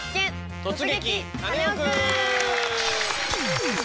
「突撃！